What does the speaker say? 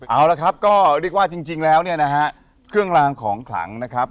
เอาละครับก็เรียกว่าจริงแล้วเนี่ยนะฮะเครื่องรางของขลังนะครับ